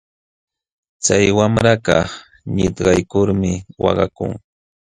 Chay wamlakaq nitkaqlulmi waqakun.